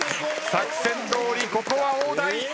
作戦どおりここは大台。